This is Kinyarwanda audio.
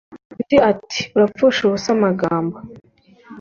Undi ati Urapfusha ubusa amagambo